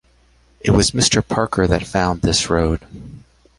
It was Mr. Parker that found this road.